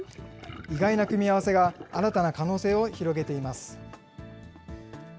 意外な組み合わせが新たな可能性を広げています。